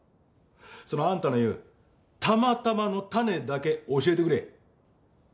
そのあんたの言う「たまたま」のタネだけ教えてくれ。